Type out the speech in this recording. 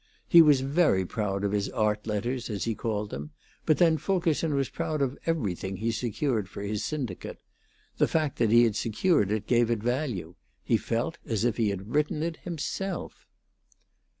He was very proud of his art letters, as he called them; but then Fulkerson was proud of everything he secured for his syndicate. The fact that he had secured it gave it value; he felt as if he had written it himself.